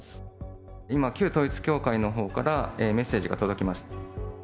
今、旧統一教会のほうからメッセージが届きました。